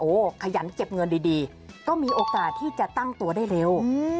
โอ้โหขยันเก็บเงินดีก็มีโอกาสที่จะตั้งตัวได้เร็ว